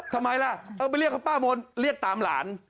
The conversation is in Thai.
ทำไมล่ะเออไปเรียกเขาป้ามนเรียกตามหลาน